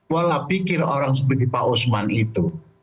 pola pikir orang seperti pak osman itu